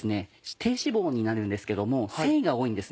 低脂肪になるんですけども繊維が多いんです。